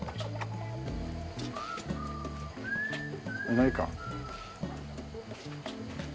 いないか。